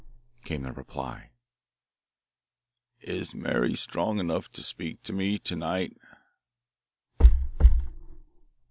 Rap! rap! rap! came the reply. "Is Mary strong enough to speak to me to night?"